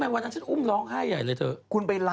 ไม่นั้นฉันอุ้มร้องให้เลยเถอะ